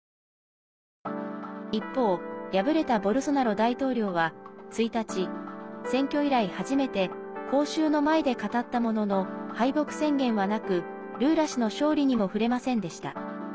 一方敗れたボルソナロ大統領は１日、選挙以来初めて公衆の前で語ったものの敗北宣言はなくルーラ氏の勝利にも触れませんでした。